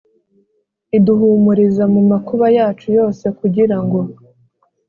iduhumuriza mu makuba yacu yose kugira ngo